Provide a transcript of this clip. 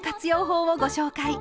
法をご紹介。